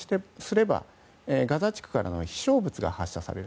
起こり得るとすればガザ地区からの飛翔物が発射される。